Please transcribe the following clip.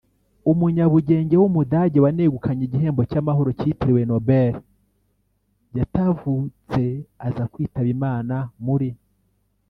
umunyabugenge w’umudage wanegukanye igihembo cy’amahoro cyitiriwe Nobel yatavutse aza kwitaba Imana muri